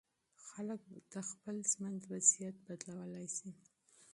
خلک د خپل ژوند وضعیت بدلولی سي.